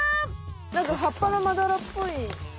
なんかはっぱのまだらっぽい。